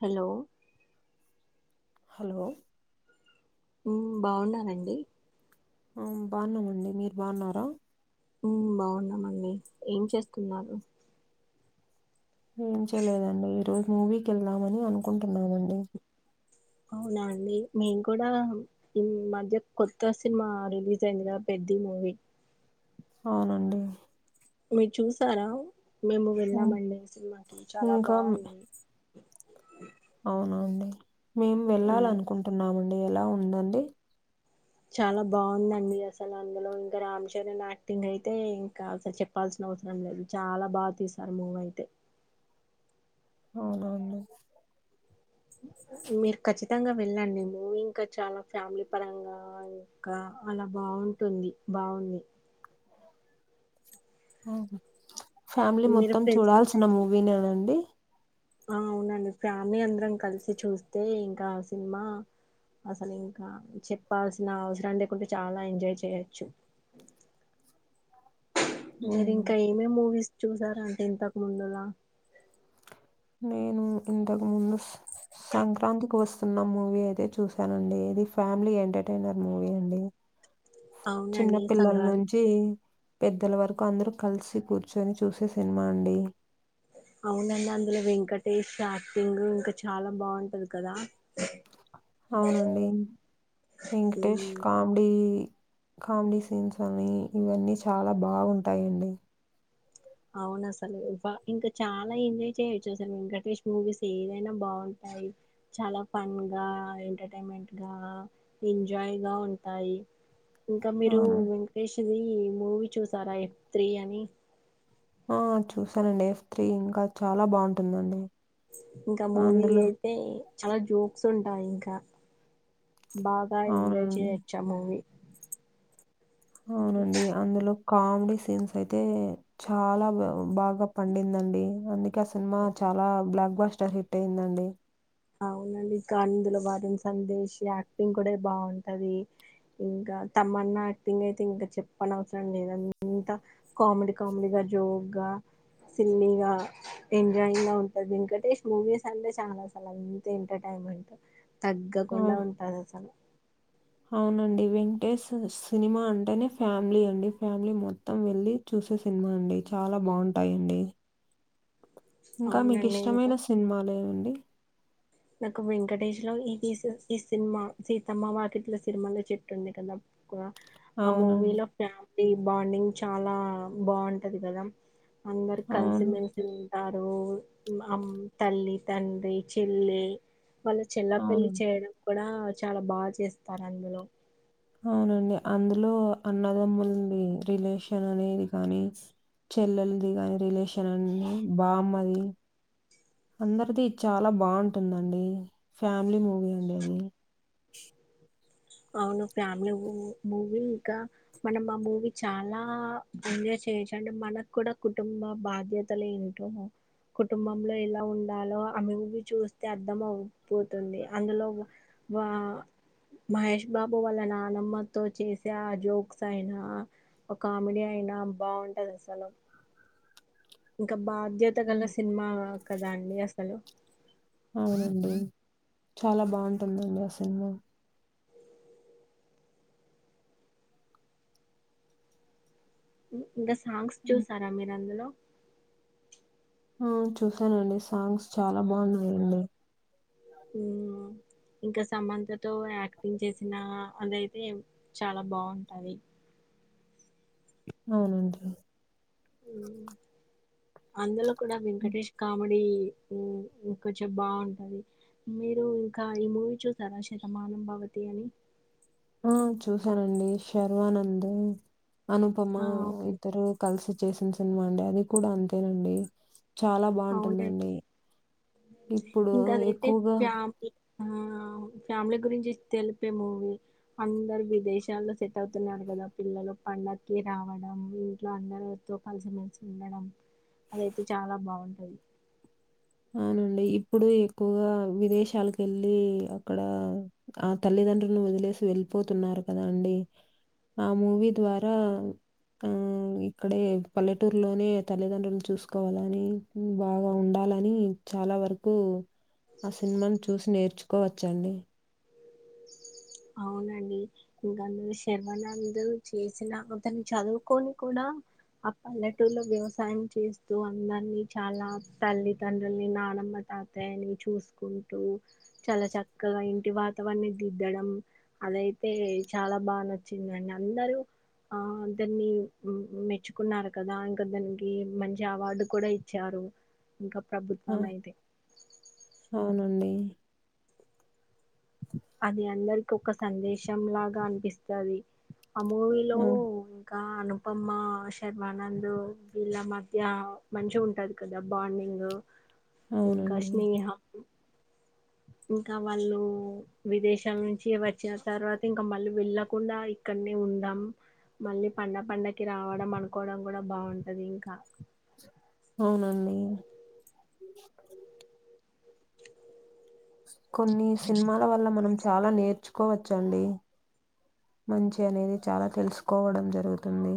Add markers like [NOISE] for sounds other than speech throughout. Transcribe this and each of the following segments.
Hello hello ఉమ్ బాగున్నారండి? ఉమ్ బాగున్నామండి, మీరు బాగున్నారా? ఉమ్ బాగున్నామండి, ఏం చేస్తున్నారు? ఏం చేయలేదండి, ఈ రోజు మూవీకి ఎళ్దామని అనుకుంటున్నానండి. అవునా అండి, మేం కూడా ఈ మధ్య కొత్త సినిమా రిలీజ్ అయింది కదా పెద్ అది మూవి అవునండి మీరు చూసారా మేము ఉం. వెళ్ళామండి సినిమాకి చాలా బాగుంది అవున అండి మేము ఉమ్, వెళ్ళాలనుకుంటున్నామండి ఎలా ఉందండి చాలా బాగుందండి అసలు అందులో ఇంకా రామ్ చరణ్ యాక్టింగ్ అయితే ఇంకా అసలు చెప్పాల్సిన అవసరం లేదు చాలా బాగా తీసారు మూవీ అయితే అవున అండి మీక్ కచ్ తంగా వెళ్ళండి మువీ ఇంకా చాలా ఫ్యామిలీ పరంగా ఇంకా అలా బాగుంటుంది బాగుంది స మ్ ఫ్యామిలీ మీరు మొత్తం ఫ్రెండ్స్ చూడాల్సిన మూవీనేనండి ఆ అవునండి ఫ్యామిలీ అందరం కలిసి చూస్తే ఇంకా సినిమా అసలు ఇంకా చెప్పాల్సిన అవసరం లేకుండా చాలా ఎంజాయ్ చేయోచ్చు మీరు అవును ఇంకా ఏమేమీ మూవీస్ చూసారండి ఇంతకు ముందులా నేను ఇంతకు ముందు సంక్రాంతికోస్తున్నం మూవీ అయితే చూశానండి ఇది ఫ్యామిలీ ఎంటర్టైనర్ మూవీ అండి చిన్న అవునండి సంక్రాంతి పిల్లల్నుంచి పెద్దల వరకు అందరు కలిసి కూర్చొని చూసే సినిమా అండి అవునండి అందులో వెంకటేష్ యాక్టింగ్ ఇంకా చాలా బాగుంటది కదా అవునండి వెంకటేష్ ఉమ్, కామెడీ కామెడీ సీన్స్ అని ఇవన్నీ చాలా బాగుంటాయండి అవును అసలు ఇంకా చాలా ఎంజాయ్ చేయ్యొచ్చు అసలు వెంకటేష్ మూవీస్ ఏదైనా బాగుంట యి చాలా ఫన్గా ఎంటర్టైన్మెంట్ గా ఎంజాయ్ గా ఉంటాయి ఇంకా మీరు అవును వెంకటేష్ది మూవీ చూసారా ఎఫ్ త్రి అని ఆ చూసానండి ఎఫ్ త్రి ఇంకా చాలా బాగుంటుందండి ఇంకా మూవీ అందులో అయితే చాలా జోక్స్ ఉంటాయి ఇంకా బాగా ఎంజాయ్ అవునండి చేయొచ్చు ఆ మూవి అవునండి అందులో కామెడీ సీన్స్ అయితే చాలా బాగా పండిందండి అందుకే ఆ సినిమా చ చాలా బ్లాక్ బాస్ట హిట్ అయిందండి అవునండి ఇంకా అందులో వరుణ్ సందేశ్ యాక్టింగ్ కూడా బాగుంటది ఇంకా తమ్మన్నా యాక్టింగ్ అయితే ఇంకా చెప్పనవసరం లేదం అంత కామెడీ కామెడీ గా జోగ్గ సిళ్ళి గా ఎంజాయింగ్ గా ఉంటది వెంకటేష్ మూవీస్ అంటే చాలా అసలు అంత ఎంటర్టైన్మెంట్ ఆ, తగ్గకుండా ఉంటది అసలు అవునండి వెంకటేష్ సినిమా అంటేనే ఫ్యామిలీ అండి ఫ్యామిలీ మొత్తం వెళ్లి చూస్ సే సినిమా అండి చాలా బాగుంటాయండి ఇంకా మీకు అవునండి ఇంకా ఇష్టమైన సినిమాలేవండి నాకు వెంకటేష్ లో ఈస్ ఈ సినిమా సీతమ్మ వాకిట్లో సిరిమల్లే చెట్టుంది కదా ఆ మూవీ అవునండి. లో ఫ్యామిలీ బాండింగ్ చాలా బాగుంటది కదా అందరు అవును. కలిసిమెలిసి ఉంటారు అమ్ తల్లి తండ్రి చెళ్ళే వాళ్ళ చెల్ల పెళ్లి అవునండి. చేయడం కూడా చాలా బాగా చేస్తారు అందులో అవునండి అందులో అన్నదమ్ముల్డి రిలేషన్ అనేది కానీ చెల్లెలది గాని రిలేషన్ అన్ని బామ్మది అందరిది చాలా బాగుంటుందండి ఫ్యామిలీ మూవీ అండి అది [INAUDIBLE] అవును ఫ్యామిలీ మూవీ మూవీ ఇంకా మనం ఆ మూవీ చాలా చేయచ్చు అండి మనకు కూడా కుటుంబ బాధ్యతలు ఏంటో కుటుంబంలో ఎలా ఉండాలో ఆమూవి చూస్తే అర్థం అవుపోతుంది అందులో వా మహేష్ బాబు వాళ్ళ నానమ్మతో చేసే ఆ జోక్స్ అయినా ఒక కామెడీ అయినా బాగుంటది అసలు ఇంక బాధ్యత గల హ్మ్. సినిమా కదా అండి అసలు అవునండి చాలా బాగుంటుందండి ఆ సినిమా ఇంగ సాంగ్స్ హ్మ్. చూసారా మీరు అందులో ఆ చూసానండి సాంగ్స్ చాలా బాగున్నాయండి ఉ [INAUDIBLE] ఇంకా సమంత తో యాక్టింగ్ చేసిన అదైతే చాలా బాగుంటది [INAUDIBLE] అవునండి అందులో కూడా వెంకటేష్ కామెడీ ఉం ఇంకొంచెం బాగుంటది మీరు ఇంకా ఈ మూవీ చూసారా శతమానం భవతి అని ఆ చూసానండి శర్వానంద్ అనుపమ ఆ అవును- ఇద్దరు కలిసి చేసిన సినిమా అండి అది కూడా అంతేనండి చాలా అవునండి బాగుంటుందండి ఇప్పుడు ఇంకా అదైతే ఎక్కువగా ఫ్యామిలీ ఆ ఫ్యామిలీ గురించి తెలిపే మూవీ అందరు విదేశాల్లో సెట్ అవుతున్నారు కదా పిల్లలు పండక్కి రావడం ఇంట్లో అందరితో కలిసిమెలిసి ఉండడం అదైతే చాలా బాగుంటది అవునండి ఇప్పుడు ఎక్కువగా విదేశాలకు వెళ్ళి అక్కడ ఆ తల్లి దండ్రుల్ని వదిలేసి వెళ్ళిపోతున్నారు కదా అండి ఆ మూవీ ద్వారా ఆ ఇక్కడే పల్లెటూరులోనే తల్లిదండ్రులను చూసుకోవాలని బాగా ఉండాలని అని చాలా వరకు ఆ సినిమాను చూసి నేర్చుకోవచ్చండి అవునండి ఇంకాందులో శర్వానంద్ చేసిన అతను చదువుకొని కూడా ఆ పల్లెటూరులో వ్యవసాయం చేస్తూ అందరినీ చాలా తల్లి తండ్రుల్ని నానమ్మని తాతయ్యని చూసుకుంటూ చాలా చక్కగా ఇంటి వాతావరణం దిద్దడం అదైతే చాలా బాగా నచ్చిందండి అందరూ ఆ అందర్నీ మెచ్చుకున్నారు కదా ఇంకా దానికి మంచి అవార్డు కూడా ఇచ్చారు ఇంకా ఆ! ప్రభుత్వం అయితే అవునండి. అది అందరికి ఒక సందేశం లాగా అనిపిస్తది ఆ మూవీలో ఆ! ఇంకా అనుపమ్మ శర్మానంద్ వీళ్ళ మధ్య మంచిగా ఉంటది కదా బాండింగ్ ఇంకా అవునండి. స్నేహ ఇంకా వాళ్ళు విదేశాల నుంచి వచ్చిన తర్వాత ఇంకా మళ్ళీ వెళ్ళ కుండా ఇక్కడనే ఉందాం మళ్ళీ పండ పండకి రావడం అనుకోవడం కూడా బాగుంటది ఇంకా అవునండి కొన్ని సినిమాల వల్ల మనం చాలా నేర్చుకోవచ్చండి మంచి అనేది చాలా తెలుసుకోవడం జరుగుతుంది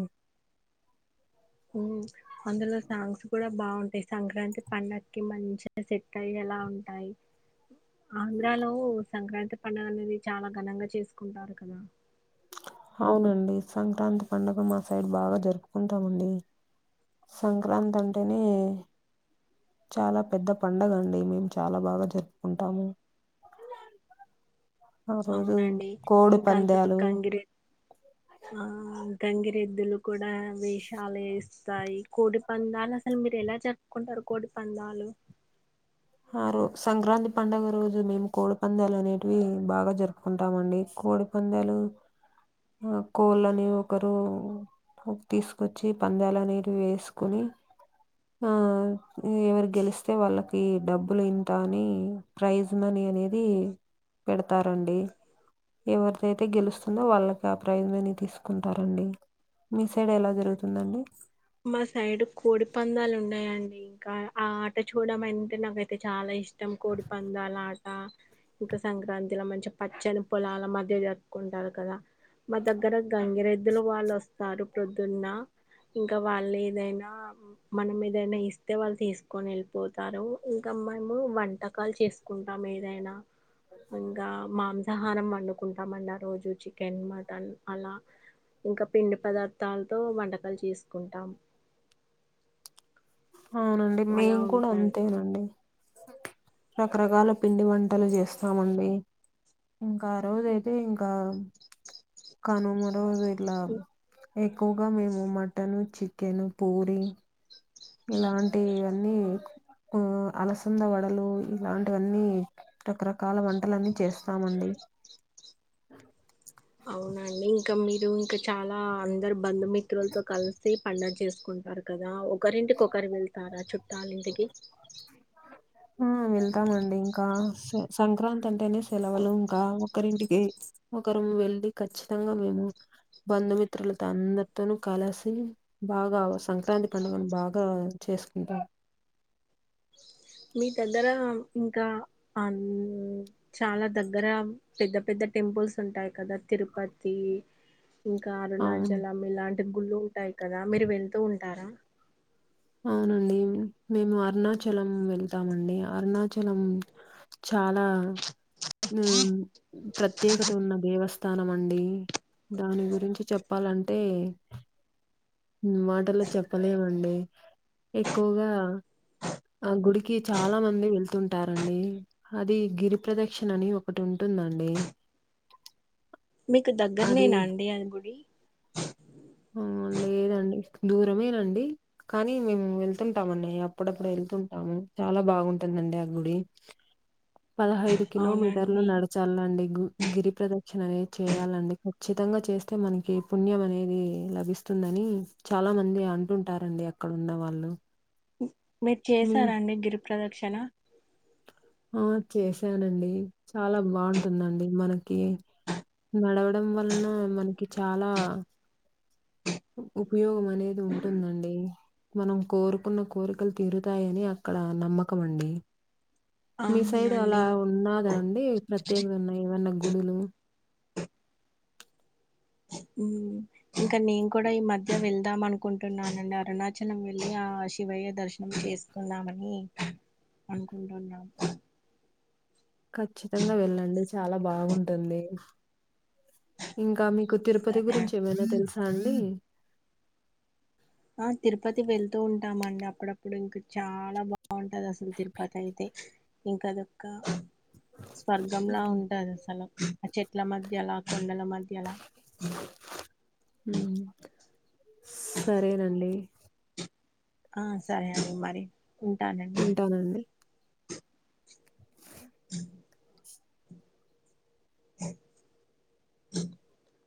అందులో సాంగ్స్ కూడా బాగుంటాయి సంక్రాంతి పండగకి మంచిగ సెట్టయ్యాల ఉంటాయి ఆంధ్రాలో సంక్రాంతి పండగ అనేది చాలా ఘనంగా చేసుకుంటారు కదా అవునండి సంక్రాంతి పండుగ మా సైడ్ బాగా జరుపుకుంటామండి సంక్రాంతి అంటేనే చాలా పెద్ద పండగండి మేము చాలా బాగా జరుపుకుంటాము ఆ రోజు అవునండి కోడి ఇంకా అందురు పందాలు గంగిరెద్లు ఆ కంగిరెద్దులు కూడా వేషాలు వే స్తాయి కోడి పందాలు అసలు మీరు ఎలా చెప్పుకుంటారు కోడి పందాలు ఆ రోజ సంక్రాంతి పండుగ రోజు మేము కోడి పందాలు అనేటివి బాగా జరుపుకుంటామండి కోడి పందాలు ఆ కోళ్ళని ఒకరు తీసుకొచ్చి పందాలు అనేటివి వేసుకుని ఆ ఎవరు గెలిస్తే వాళ్ళకి డబ్బులు ఇంత అని ప్రైజ్ మని అనేది పెడతారండి ఎవరిదైతే గెలుస్తుందో వాళ్ళకి ప్రైజ్ మని తీసుకుంటారండి మీ సైడ్ ఎలా జరుగుతుందండి మా సైడ్ కోడి పందాలు ఉండయండి ఇంకా ఆ ఆట చూడడం అంటే నాకైతే చాలా ఇష్టం కోడి పందాల ఆట ఇంకా సంక్రాంతిలో మంచి పచ్చని పొలాల మధ్య జరుపుకుంటారు కదా మా దగ్గర గంగిరెద్దులు వాళ్ళు వస్తారు ప్రొద్దున్న ఇంకా వాళ్ళు ఏదైనా మనం ఏదైనా ఇస్తే వాళ్ళు తీసుకొని వెళ్ళిపోతారు ఇంకా మేము వంటకాలు చేసుకుంటాం ఏదైనా ఇంకా మాంస మాంసాహారం వండుకుంటామండి ఆ రోజు చికెన్ మటన్ అలా ఇంకా పిండి పదార్థాలతో వంటకాలు చేసుకుంటాం అవునండి అలా మేం కూడా ఉంటాది అంతేనండి రకరకాల పిండి వంటలు చేస్తామండి ఇంకా ఆ రోజు అయితే ఇంకా కనుమ రోజుయి ఇట్లా ఎక్కువగా మేము మటన్ చికెన్ పూరి ఇలాంటివన్నీ అలసంద వడలు ఇలాంటివన్నీ రకరకాల వంటలన్నీ చేస్తామండి అవునండి ఇంకా మీరు ఇంకా చాలా అందరు బంధుమిత్రులతో కలిసి పండగ చేసుకుంట అంటారు కదా ఒకరింటికి ఒకరు వెళ్తారా చుట్టాల ఇంటికి ఆ వెళ్తామండి ఇంకా సంక్రాంతి అంటేనే సెలవులు ఇంకా ఒకరింటికి ఒకరు వెళ్ళి ఖచ్చితంగా మేము బంధుమిత్రులతో అందరితోనూ కలిసి బాగా సంక్రాంతి పండుగను బాగా చేసుకుంటాం మీ దగ్గర ఇంకా ఆ చాలా దగ్గర పెద్ద పెద్ద టెంపుల్స్ ఉంటాయి కదా తిరుపతి ఇంకా అవును అరుణాచలం ఇలాంటి గుళ్ళు ఉంటాయి కదా మీరు వెళ్తూ ఉంటారా అవునండి మేము అరుణాచలం వెళ్తామండి అరుణాచలం చాలా నూ ప్రత్యేకత ఉన్న దేవస్థానమండి దాని గురించి చెప్పాలంటే మాటల్లో చెప్పలేవండి ఎక్కువ్గా ఆ గుడికి చాలా మంది వెళ్తుంటారండి హది గిరి ప్ర్రదక్షణ అని ఒకటుంటు దండి మీకు దగ్గర్నేనండి అది గుడి హా లేదండి దూరమేనండి కానీ మేము వెళ్తుంటాంమండి అప్పుడప్పుడు ఎళ్ తుంటాము చాలా బాగుంటుందండి ఆ గుడి పదహైదు కిలోమీటర్లు అవునండి నడచాలండి గు గిరి ప్రదక్షణ అనేది చేయాలండి ఖచ్చి తంగ చేస్తే మనకి పుణ్యమనేది లభిస్తుందని చాలా మంది అంటుంటారండి అక్కడున్న వాళ్ళు ఉ మీర్ మీ చేసారాండి గిరిప్రదక్షణ ఆ చేశానండి చాలా బాంటుందండి మనకి నడవడం వల్నా మన్కి చాలా ఉపయోగమనేది ఉంటుందండి మనం కోరుకున్న కోరికలు తీరుతాయని అక్కడ నమ్మకమండి మీ సైడు అలా అవునండి ఉన్నాదా అండి ప్రత్యేకత ఉన్నా ఏవన్నా గుడులు ఊ ఇంక నేన్ కడా ఈ మధ్య వెళ్దామనుకుంటున్నానండి అరుణాచలం వెళ్ళి ఆ శివయ్ వయ్య దర్శనం చేసుకుందామని అనుకుంటున్నాం ఖచ్చితంగ వెళ్ళండి చాలా బాగుంటుంది ఇంకా మీ కు తిరుపతి సరే గురించి ఏమైనా తెలుసా అండి ఆ తిరుపతి వెళ్తూ ఉంటామండి అప్పుడప్పుడు ఇంక చాలా బాగుంటది అస్ తిరుపతైతే ఇంకదొక్క స్వర్గంలా హ్మ్. ఉంటదసలొ ఆ చెట్ల మధ్యలా కొండల మధ్యలా హూ స్ సరేనండి ఆ సరే అండి మరి ఉంటానండి ఉంటానండి. అ